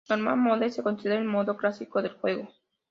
Normal mode: Se considera el modo clásico del juego.